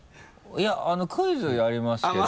いやあのクイズやりますけど。